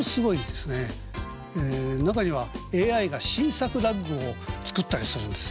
中にはＡＩが新作落語を作ったりするんです。